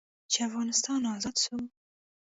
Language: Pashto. چې افغانستان ازاد سو.